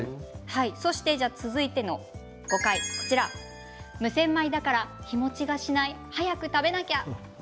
そして続いての誤解無洗米だから日もちがしない早く食べなきゃ。